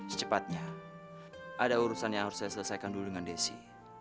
secepatnya ada urusan yang harus saya selesaikan dulu dengan desi